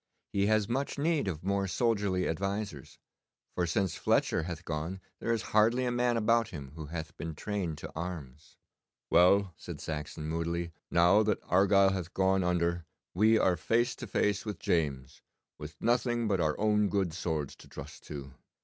He has much need of more soldierly advisers, for since Fletcher hath gone there is hardly a man about him who hath been trained to arms.' 'Well,' said Saxon moodily, 'now that Argyle hath gone under we are face to face with James, with nothing but our own good swords to trust to.